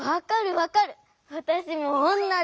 わたしもおんなじ。